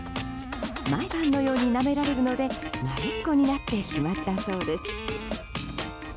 毎晩のように、なめられるので慣れっこになってしまったそうです。